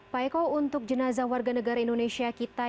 pak eko untuk jenazah warga negara indonesia kita